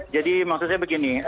jadi maksudnya begini